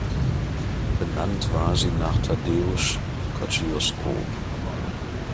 Benannt war sie nach Tadeusz Kościuszko.